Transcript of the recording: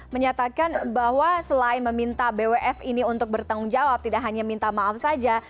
menyatakan bahwa selain meminta bwf ini untuk bertanggung jawab tidak hanya minta maaf saja